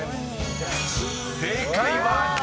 ［正解は］